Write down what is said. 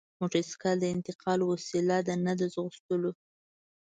موټرسایکل د انتقال وسیله ده نه د ځغلولو!